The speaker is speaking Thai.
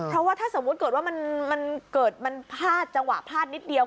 เพราะว่าถ้าสมมุติเกิดว่ามันเกิดมันพลาดจังหวะพลาดนิดเดียว